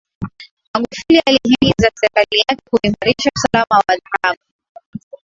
magufuli alihimiza serikali yake kuimarisha usalama wa dhahabu